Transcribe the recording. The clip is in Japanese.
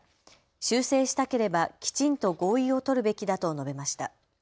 修正したければ、きちんと合意を取るべきだと述べました。